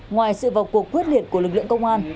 ngoài sự vào cuộc quyết liệt của lực lượng công an